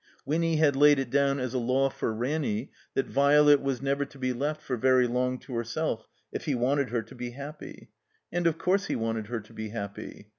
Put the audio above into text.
Winny had laid it down as a law for Ranny that Violet was never to be left for very long to herself, if he wanted her to be happy. And, of course, he wanted her to be happy.